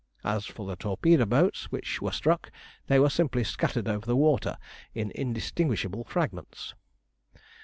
As for the torpedo boats which were struck, they were simply scattered over the water in indistinguishable fragments.